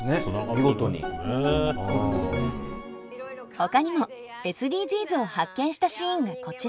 ほかにもＳＤＧｓを発見したシーンがこちら。